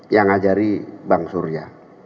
yang ngajari bang surya